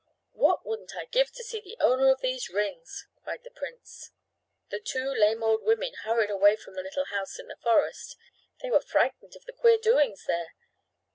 "What wouldn't I give to see the owner of these rings!" cried the prince. The two lame old women hurried away from the little house in the forest. They were frightened at the queer doings there.